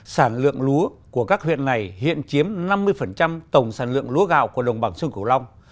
sản lượng lúa của các huyện này hiện chiếm năm mươi tổng sản lượng lúa gạo của đồng bằng sông cửu long